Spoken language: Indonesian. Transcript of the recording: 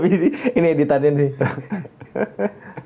gue jadi lebih ini ini editannya nih